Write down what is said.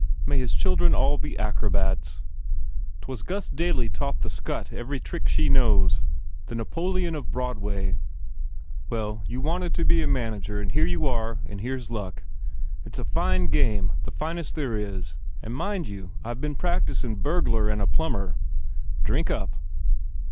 May his children all be acrobats! T was Gus Daly taught the scut every trick he knows. The Napoleon of Broadway! I mind LoerSer runnin err nds for Daly in eighty five. Well, you wanted to be a manager and here you are and here s luck. It s a fine game the finest there is and, mind you, I ve been a practicin* bhurglar and a plumber. Drink up."